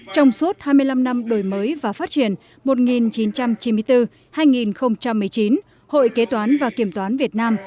trong suốt hai mươi năm năm đổi mới và phát triển một nghìn chín trăm chín mươi bốn hai nghìn một mươi chín hội kế toán và kiểm toán việt nam